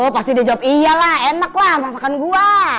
pasti dijawab iyalah enak avoiran gua